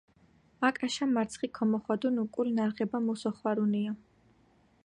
აკაშა მარცხი ქომოხვადუნ უკულ ნარღება მუს ოხვარუნია.